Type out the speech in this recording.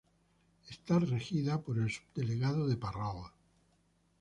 Era regida por el Subdelegado de Parral.